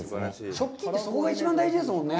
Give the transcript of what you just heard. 食器って、そこが一番大事ですもんね？